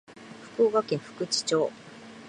福岡県福智町